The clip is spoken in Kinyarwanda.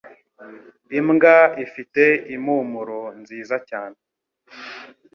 Imbwa ifite impumuro nziza cyane.